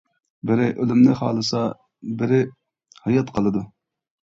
بىرى، ئۆلۈمنى خالىسا بىرى، ھايات قالىدۇ.